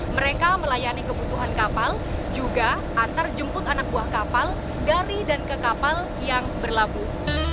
mereka melayani kebutuhan kapal juga antar jemput anak buah kapal dari dan ke kapal yang berlabuh